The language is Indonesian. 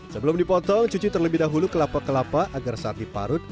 sebelum dipotong cuci terlebih dahulu kelapa kelapa agar saat diparut